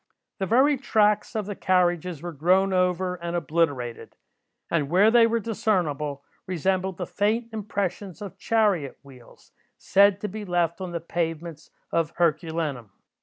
The very tracks of the carriages were grown over, and obliterated; and where they were discernible, resembled the faint impressions of chariot wheels, said to be left on the pavements of Herculaneum.